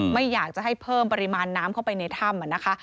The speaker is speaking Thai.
ไม่อยากจะให้เพิ่มปริมาณน้ำเข้าไปในถ้ำนะคะ